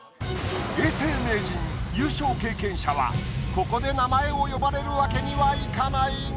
永世名人優勝経験者はここで名前を呼ばれるわけにはいかないが。